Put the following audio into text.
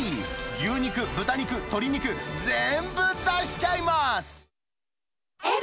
牛肉、豚肉、鶏肉、全部出しちゃいます。